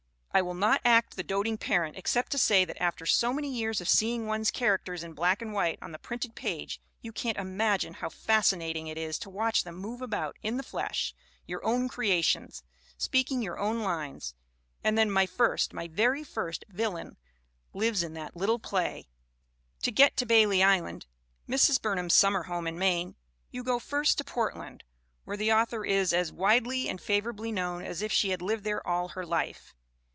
"I will not act the doting parent ex cept to say that after so many years of seeing one's characters in black and white on the printed page you can't imagine how fascinating it is to watch them move about in the flesh, your own creations, speaking your own lines; and then my first my very first villain lives in that little play." To get to Bailey Island, Mrs. Burnham's summer home in Maine, you go first to Portland, where the author is as "widely and favorably known" as if she had lived there all her life.